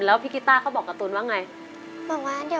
แล้วพี่กิต้าเขาบอกการ์ตูนว่าอย่างไร